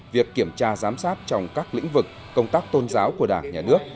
việc kiểm tra giám sát trong các lĩnh vực công tác tôn giáo của đảng nhà nước